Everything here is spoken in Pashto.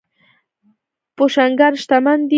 بوشونګان شتمن دي.